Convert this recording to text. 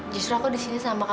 jadi saya kembali